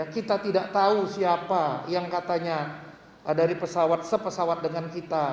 kita tidak tahu siapa yang katanya dari pesawat sepesawat dengan kita